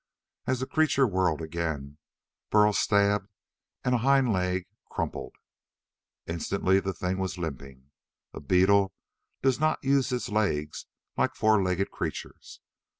As the creature whirled again, Burl stabbed and a hind leg crumpled. Instantly the thing was limping. A beetle does not use its legs like four legged creatures.